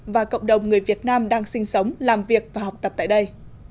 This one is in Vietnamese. và cộng đồng người việt nam đang sinh sống làm việc và học tập tại đây